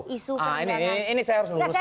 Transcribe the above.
ini saya harus luluskan